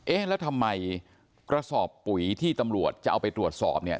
เอ๊ะแล้วทำไมกระสอบปุ๋ยที่ตำรวจจะเอาไปตรวจสอบเนี่ย